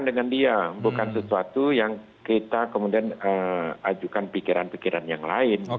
dengan dia bukan sesuatu yang kita kemudian ajukan pikiran pikiran yang lain